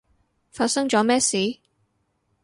發生咗咩事？